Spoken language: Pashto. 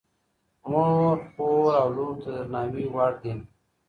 مور، خور او لور د درناوي وړ دي.